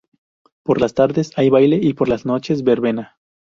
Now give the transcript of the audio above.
Por las tardes hay baile y por las noches verbena.